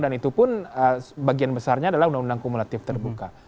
dan itu pun bagian besarnya adalah undang undang kumulatif terbuka